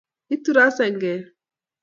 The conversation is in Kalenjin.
Itu ra senget